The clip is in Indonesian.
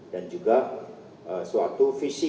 dan juga suatu visi